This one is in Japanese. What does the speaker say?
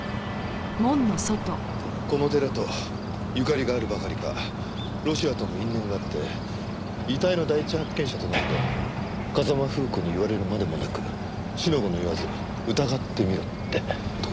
この寺とゆかりがあるばかりかロシアとも因縁があって遺体の第一発見者となると風間楓子に言われるまでもなく四の五の言わず疑ってみろってとこですかね。